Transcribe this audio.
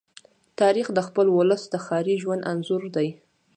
تاریخ د خپل ولس د ښاري ژوند انځور دی.